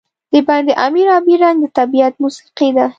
د بند امیر آبی رنګ د طبیعت موسيقي ده.